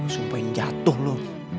sumpahin jatuh lo